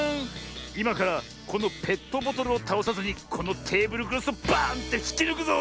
いまからこのペットボトルをたおさずにこのテーブルクロスをバーンってひきぬくぞ。